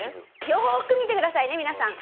よく見てくださいね皆さん。